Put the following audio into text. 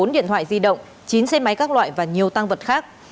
một mươi bốn điện thoại di động chín xe máy các loại và nhiều tăng vật khác